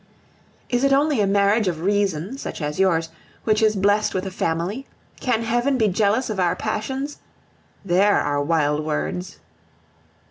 Is it only a marriage of reason, such as yours, which is blessed with a family? Can Heaven be jealous of our passions? There are wild words.